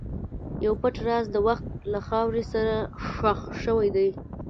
یو پټ راز د وخت له خاورې سره ښخ شوی دی.